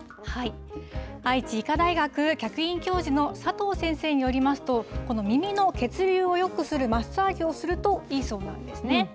愛知医科大学客員教授のさとう先生によりますと、この耳の血流をよくするマッサージをするといいそうなんですね。